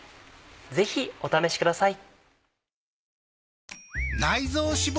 ぜひお試しください。